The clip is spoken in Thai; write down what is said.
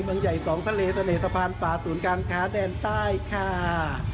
เมืองใหญ่สองทะเลเสน่สะพานป่าศูนย์การค้าแดนใต้ค่ะ